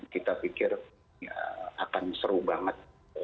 kita pikir akan seru banget